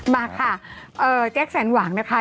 มาค่ะแจ๊คแสนหวังนะคะ